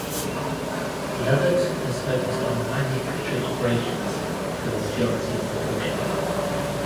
Lovett has focused on manufacturing operations for the majority of her career.